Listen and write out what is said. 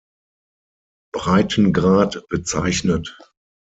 Breitengrad bezeichnet.